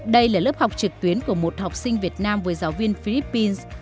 đây là lớp học trực tuyến của một học sinh việt nam với giáo viên philippines